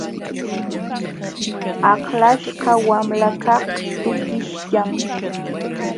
Aklaśhqa wamlakaq tukishllam.